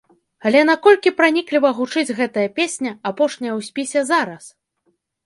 Але наколькі пранікліва гучыць гэтая песня, апошняя ў спісе, зараз?